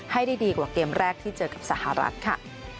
ให้ได้ดีกว่าเกมแรกที่เจอกับสหรัฐค่ะ